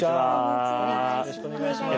よろしくお願いします。